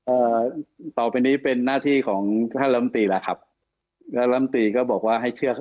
เอ่อต่อไปนี้เป็นหน้าที่ของท่านลำตีแล้วครับท่านลำตีก็บอกว่าให้เชื่อ